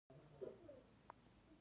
هغه ټیکنالوژۍ ته وده ورکړه.